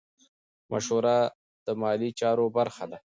مشوره د مالي چارو برخه ده.